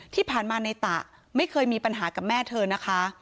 ที่ผ่านมาในตะไม่เคยมีปัญหากับแม่เธอนะคะ